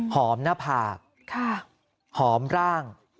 หน้าผากหอมร่าง